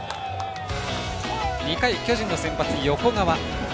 ２回、巨人の先発、横川。